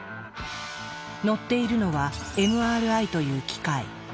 乗っているのはＭＲＩという機械。